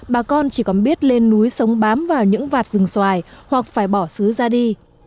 bà con chỉ còn biết lên núi sống bám vào những vạt rừng xoài hoặc phải bỏ sứ ra đi